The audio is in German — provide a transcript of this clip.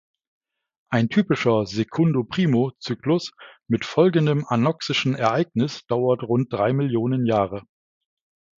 Ein typischer "Secundo-primo"-Zyklus mit folgendem anoxischen Ereignis dauert rund drei Millionen Jahre.